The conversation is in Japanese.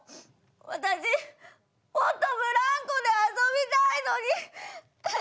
私もっとブランコで遊びたいのに！